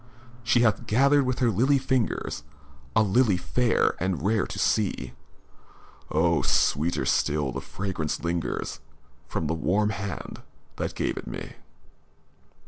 III She has gathered with her lily fingers A lily fiar and rare to see. Oh! sweeter still the fragrance lingers From the warm hand that gave it me.